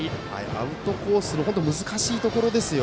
アウトコースの難しいところですよ。